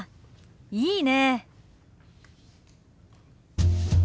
いいねえ。